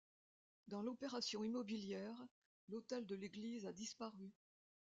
Dans l'opération immobilière, l'autel de l'église a disparu.